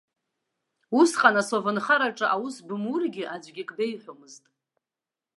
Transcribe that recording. Усҟан асовнхараҿы аус бымургьы, аӡәгьы акгьы беиҳәомызт.